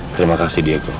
terima kasih diego